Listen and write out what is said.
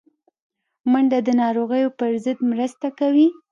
منډه د ناروغیو پر ضد مرسته کوي